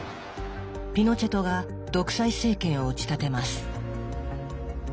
ピノチェトが独裁政権を打ち立てます。